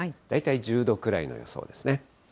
大体１０度くらいの予想ですね。